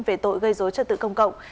về tội gây dối trật tự công cộng